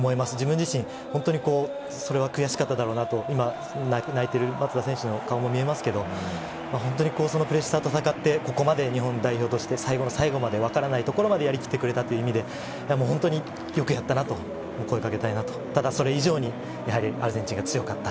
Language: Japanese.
自分自身、本当にそれを悔しかっただろうなと、今、泣いている松田選手の顔も見えますけれども、そのプレッシャーと戦って、ここまで日本代表として最後の最後までわからないところまで、やり切ってくれたという意味で本当によくやったなと声をかけたい、それ以上にアルゼンチンが強かった。